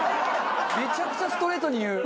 めちゃくちゃストレートに言う！